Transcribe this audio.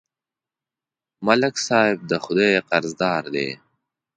ملک صاحب د خدای قرضدار دی.